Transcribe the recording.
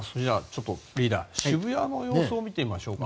リーダー、渋谷の様子を見てみましょうか。